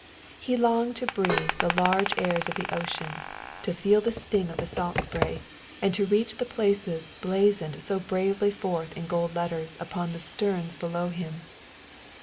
He longed to breathe the large airs of the ocean, to feel the sting of the salt spray, and to reach the places blazoned so bravely forth in gold letters upon the sterns below him.